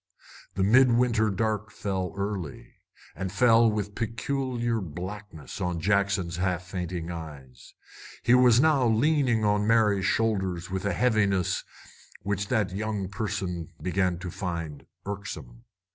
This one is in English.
The midwinter dark fell early, and fell with peculiar blackness on Jackson's half fainting eyes. He was leaning now on Mary's shoulders with a heaviness which that young person began to find irksome.